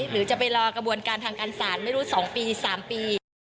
หรือจะไปรอกระบวนการทางการศาลไม่รู้๒ปี๓ปี